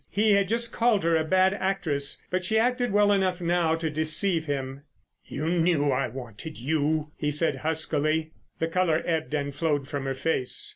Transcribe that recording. He had just called her a bad actress, but she acted well enough now to deceive him. "You knew I wanted you," he said huskily. The colour ebbed and flowed from her face.